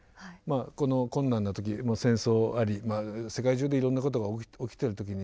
この困難な時戦争あり世界中でいろんなことが起きてる時にですね